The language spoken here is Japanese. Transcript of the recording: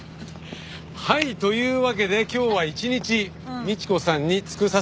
はい！というわけで今日は一日倫子さんに尽くさせて頂きます。